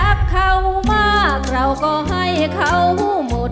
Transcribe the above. รักเขามากเราก็ให้เขาหมด